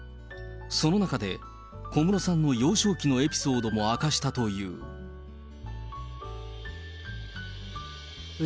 その中で、小室さんの幼少期のエピソードも明かしたという。